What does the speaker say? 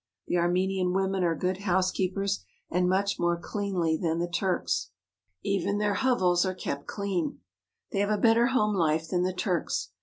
The Armenian women are good housekeepers and much more cleanly than the Turks. Even their hovels are kept clean. They have a better home life than the Turks.